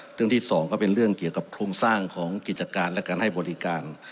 เรื่องที่สองก็เป็นเรื่องเกี่ยวกับโครงสร้างของกิจการและการให้บริการ